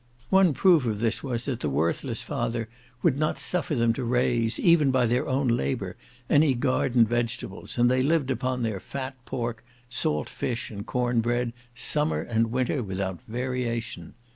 One proof of this was, that the worthless father would not suffer them to raise, even by their own labour, any garden vegetables, and they lived upon their fat pork, salt fish, and corn bread, summer and winter, without variation.